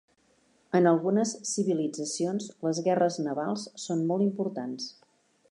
En algunes civilitzacions les guerres navals són molt importants.